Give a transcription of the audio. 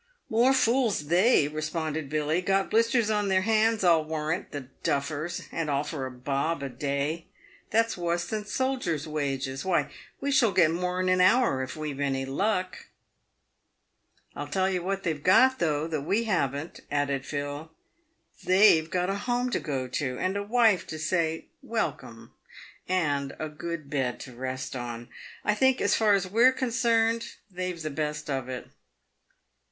"IMore fools they," responded Billy. " Got blisters on their hands, I'll warrant, the duffers ; and all for a bob a day. That's wus than soldiers' wages. "Why, we shall get more in an hour if we've any luck." " I'll tell you what they've got, though, that we haven't," added Phil. " They've got a home to go to, and a wife to say ' welcome P and a good bed to rest on. I think, as far as we are concerned, they've the best of it."